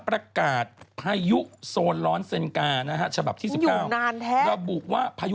ประกาศพายุโซนร้อนเซ็นกานะฮะฉบับที่๑๙นานแทบระบุว่าพายุ